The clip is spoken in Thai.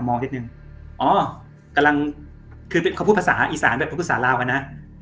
อ๋อกำลังคือคำพูดประสาททิศลาวนะ